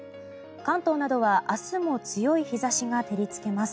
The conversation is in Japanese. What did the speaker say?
関東などは明日も強い日差しが照りつけます。